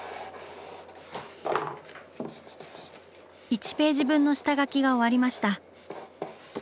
１ページ分の下描きが終わりました。